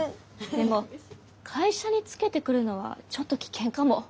でも会社につけてくるのはちょっと危険かも。